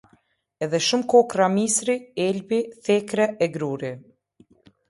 Edhe shumë kokrra misri, elbi, thekre e gruri.